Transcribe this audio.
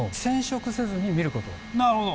なるほど！